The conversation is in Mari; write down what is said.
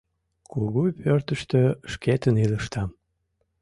Кугу пӧртыштӧ шкетын илыштам.